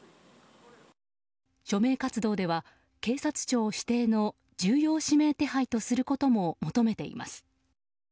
署名活動では警察庁指定の重要指名手配とすることも求めています。